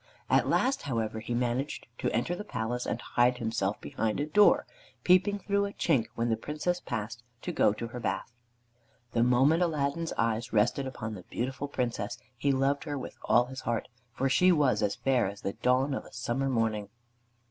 At last, however, he managed to enter the palace and hide himself behind a door, peeping through a chink when the Princess passed to go to her bath. The moment Aladdin's eyes rested upon the beautiful Princess he loved her with all his heart, for she was as fair as the dawn of a summer morning.